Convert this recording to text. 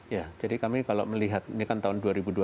ya jadi kami kalau melihat ini kan tahun dua ribu dua puluh